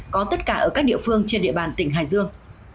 có tất cả ở các địa phương trên địa bàn tỉnh hải dương